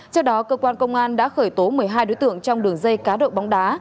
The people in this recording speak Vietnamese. trước đó cơ quan công an đã khởi tố một mươi hai đối tượng trong đường dây cá độ bóng đá